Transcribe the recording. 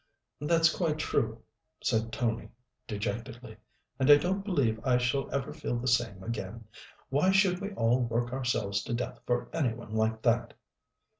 "That's quite true," said Tony dejectedly, "and I don't believe I shall ever feel the same again. Why should we all work ourselves to death for any one like that?"